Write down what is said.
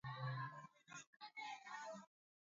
pwani kama huko Lagos na Calabar Wazungu walifanya